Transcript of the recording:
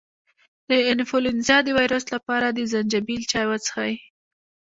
د انفلونزا د ویروس لپاره د زنجبیل چای وڅښئ